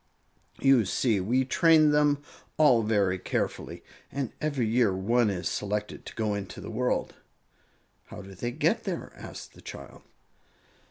"You see, we train them all very carefully, and every year one is selected to go into the world." "How do they get there?" asked the child.